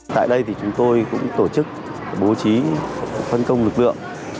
tại đây thì chúng tôi cũng tổ chức bố trí phân công lực lượng